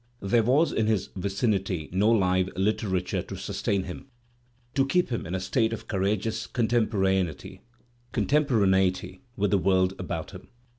There was in his vicinity no live A literature to sustain him, to keep him in a state of courageous contemporaneity with the world about him.